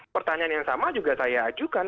pertanyaan yang sama juga saya ajukan